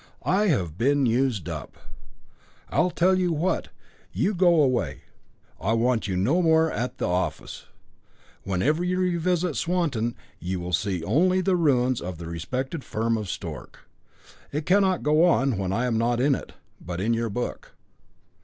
I have been used up. I'll tell you what. You go away; I want you no more at the office. Whenever you revisit Swanton you will see only the ruins of the respected firm of Stork. It cannot go on when I am not in it, but in your book."